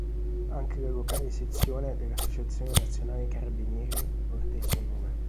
Anche la locale sezione dell'Associazione nazionale carabinieri porta il suo nome.